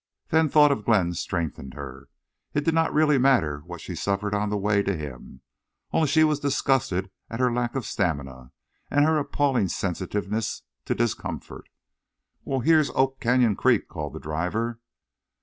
Then thought of Glenn strengthened her. It did not really matter what she suffered on the way to him. Only she was disgusted at her lack of stamina, and her appalling sensitiveness to discomfort. "Wal, hyar's Oak Creek Canyon," called the driver.